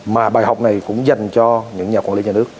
mà bài học này cũng dành cho những nhà quản lý nhà nước